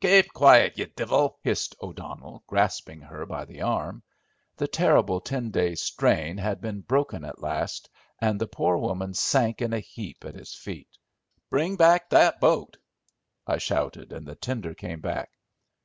"Kape quiet, ye divil," hissed O'Donnell, grasping her by the arm. The terrible ten days' strain had been broken at last, and the poor woman sank in a heap at his feet. "Bring back that boat," I shouted, and the tender came back.